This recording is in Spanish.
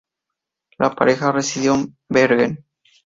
La pareja residió en Bergen.